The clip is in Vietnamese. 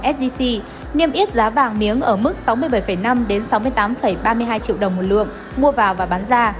sgc niêm yết giá vàng miếng ở mức sáu mươi bảy năm sáu mươi tám ba mươi hai triệu đồng một lượng mua vào và bán ra